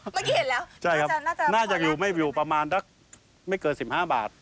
เมื่อกี้เห็นแล้วน่าจะอยู่ไม่เกิน๑๕บาท